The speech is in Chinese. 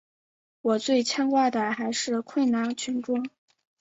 我最牵挂的还是困难群众。